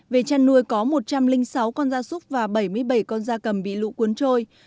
về chăn nuôi có một trăm linh sáu con da súc và bảy mươi bảy con da cầm bị lũ cuốn trôi